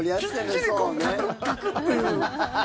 きっちりカクッカクッていう。